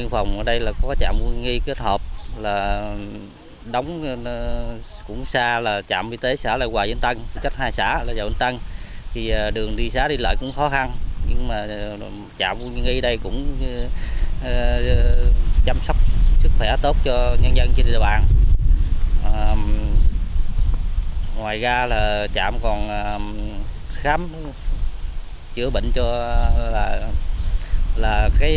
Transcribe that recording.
hàng năm trạm khám chữa bệnh cho nhân dân ở bạc liêu giáp canh xã lai hòa